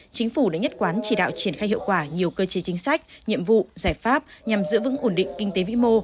chính phủ đã nhất quán chỉ đạo triển khai hiệu quả nhiều cơ chế chính sách nhiệm vụ giải pháp nhằm giữ vững ổn định kinh tế vĩ mô